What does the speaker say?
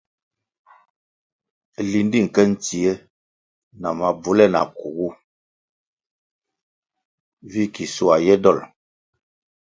Lindi nke ntsie na mabvule nakugu vi ki soa ye dol.